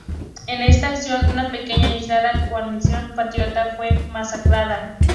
En esta acción, una pequeña y aislada guarnición patriota fue masacrada.